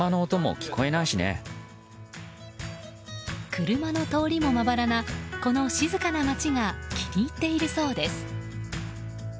車の通りもまばらなこの静かな街が気に入っているそうです。